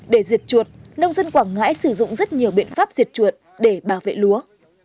để diệt chuột nông dân quảng ngãi sử dụng rất nhiều biện pháp diệt chuột để bảo vệ lúa